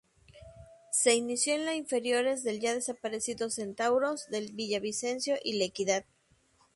Se inició en la inferiores del ya desaparecido Centauros de Villavicencio y La Equidad.